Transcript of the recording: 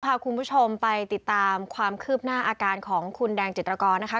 พาคุณผู้ชมไปติดตามความคืบหน้าอาการของคุณแดงจิตรกรนะคะ